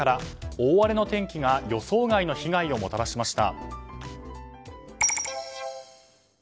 大荒れの天気が予想外の被害をもたらしました。